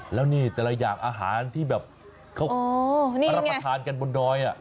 แล้วนี่แต่ละอย่างอาหารที่แบบเขารับประทานกันบนดอย